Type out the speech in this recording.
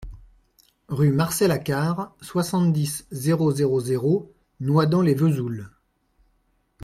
Rue Marcel Hacquard, soixante-dix, zéro zéro zéro Noidans-lès-Vesoul